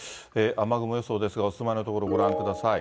雨雲予想ですが、お住まいの所、ご覧ください。